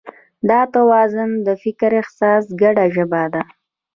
دا توازن د فکر او احساس ګډه ژبه ده.